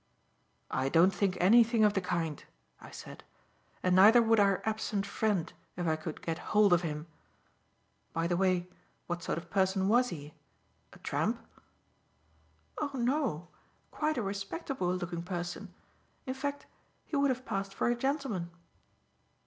"I don't think anything of the kind," I said, "and neither would our absent friend if I could get hold of him. By the way, what sort of person was he? a tramp?" "Oh, no, quite a respectable looking person; in fact, he would have passed for a gentleman."